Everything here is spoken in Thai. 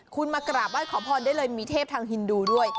คุณมากราบไหว้ขอพรได้เลยมีเทพทางฮินดูด้วย